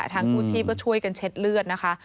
ทางกู้ชีพก็ช่วยกันเช็ดเลือดนะคะ